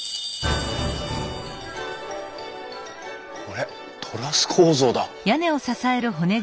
これトラス構造だ！